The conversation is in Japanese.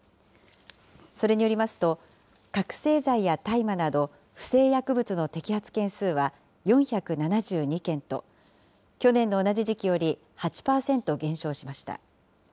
それによりますと、覚醒剤や大麻など、不正薬物の摘発件数は４７２件と、去年の同じ時期より８％減少しました。